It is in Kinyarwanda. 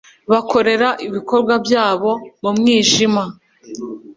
bakorera ibikorwa byabo mu mwijima